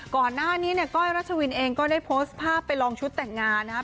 ก่อนหน้านี้เนี่ยก้อยรัชวินเองก็ได้โพสต์ภาพไปลองชุดแต่งงานนะครับ